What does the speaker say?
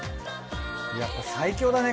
やっぱ最強だね